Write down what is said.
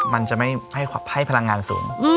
มันจะไม่ให้พลังงานสูง